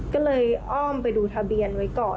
ก็เลยอ้อมไปดูทะเบียนไว้ก่อน